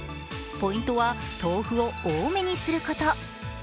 ポイントは豆腐を多めにすること。